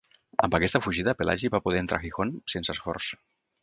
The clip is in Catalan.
Amb aquesta fugida Pelagi va poder entrar a Gijón sense esforç.